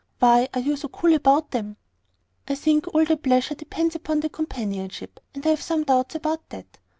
Why are you so cool about them?" "I think all the pleasure depends upon the companionship, and I have some doubts about that.